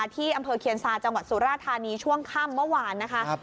ที่อำเภอเคียนซาจังหวัดสุราธานีช่วงค่ำเมื่อวานนะคะ